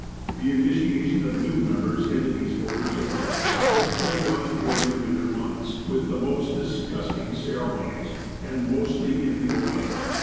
The initiation of new members into these orders or clubs was carried on during the winter months, with the most disgusting ceremonies, and mostly in the open.